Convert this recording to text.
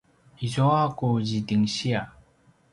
izua ku zidinsiya